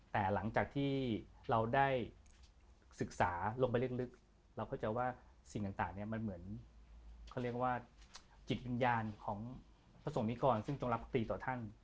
แต่หลังจากที่เราได้ศึกษาลงไปลึกเราเข้าใจว่าสิ่งต่างเนี่ยมันเหมือนเขาเรียกว่าจิตวิญญาณของพระสงคิกรซึ่งจงรักภักดีต่อท่าน